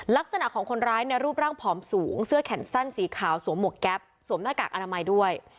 ลักษณะของคนร้ายในรูปร่างผอมสูงเสื้อแขนสั้นสีขาวสวมหมวกแก๊ปสวมหน้ากากอนามัยด้วย